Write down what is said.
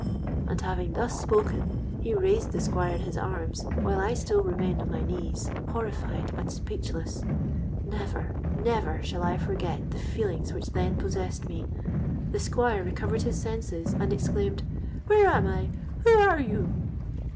And having thus spoken, he raised the Squire in his arms, while I still remained on my knees, horrified and speechless. Never, never shall I forget the feelings which then possessed me! The Squire recovered his senses, and exclaimed, 'Where am I? Who are you?'